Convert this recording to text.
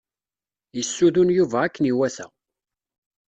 Yessudun Yuba akken iwata.